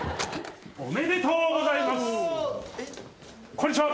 こんにちは！